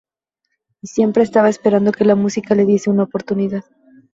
Y siempre estaba esperando que la música le diese una oportunidad.